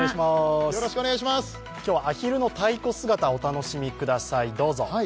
今日はあひるの太鼓姿をお楽しみください、どうぞ！